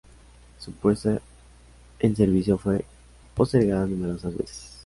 Su puesta en servicio fue postergada numerosas veces.